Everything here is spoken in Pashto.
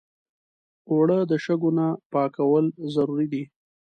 اوړه د شګو نه پاکول ضروري دي